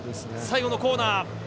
最後のコーナー。